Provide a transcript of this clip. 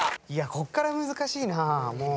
・こっから難しいな。